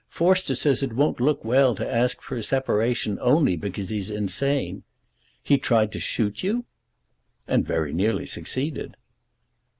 Forster says it won't look well to ask for a separation only because he's insane. He tried to shoot you?" "And very nearly succeeded."